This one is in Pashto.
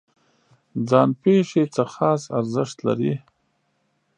ځان پېښې څه خاص ارزښت لري؟